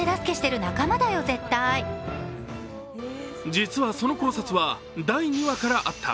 実は、この考察は第２話からあった。